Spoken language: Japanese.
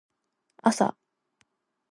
朝